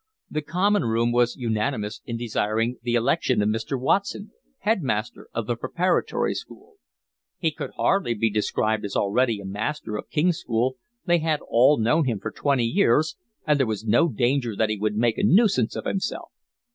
The common room was unanimous in desiring the election of Mr. Watson, headmaster of the preparatory school; he could hardly be described as already a master of King's School, they had all known him for twenty years, and there was no danger that he would make a nuisance of himself.